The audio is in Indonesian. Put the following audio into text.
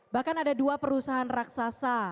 bahkan ada dua perusahaan raksasa